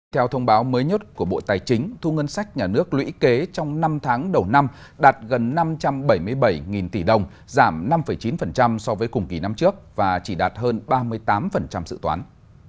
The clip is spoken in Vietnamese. theo thông báo mới nhất của bộ tài chính thu ngân sách nhà nước lũy kế trong năm tháng đầu năm đạt gần năm trăm bảy mươi bảy tỷ đồng giảm năm chín so với cùng kỳ năm trước và chỉ đạt hơn ba mươi tám dự toán